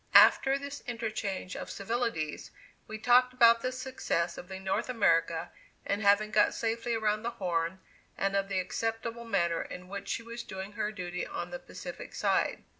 '" After this interchange of civilities, we talked about the success of the "North America" in having got safely around the Horn, and of the acceptable manner in which she was doing her duty on the Pacific side.